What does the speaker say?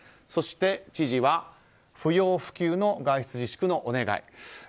そして、知事は不要不急の外出自粛のお願い。